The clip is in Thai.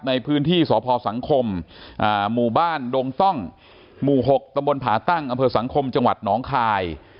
ในพื้นที่สพสังคมหมู่บ้านดงต้องหมู่๖ตะบนผาตั้งอำเภอสังคมจังหวัดน้องคาย